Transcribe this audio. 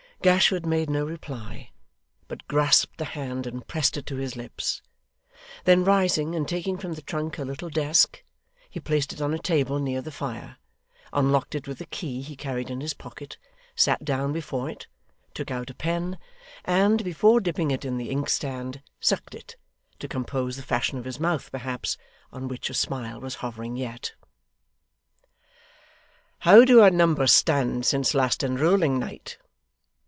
Gashford made no reply, but grasped the hand and pressed it to his lips. Then rising, and taking from the trunk a little desk, he placed it on a table near the fire, unlocked it with a key he carried in his pocket, sat down before it, took out a pen, and, before dipping it in the inkstand, sucked it to compose the fashion of his mouth perhaps, on which a smile was hovering yet. 'How do our numbers stand since last enrolling night?